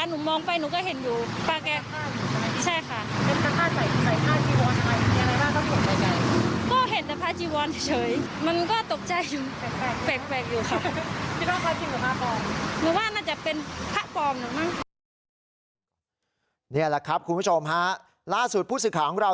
นี่แหละครับคุณผู้ชมล่าสุดผู้ศึกขาของเรา